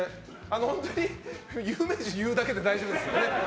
本当に有名人を言うだけで大丈夫ですので。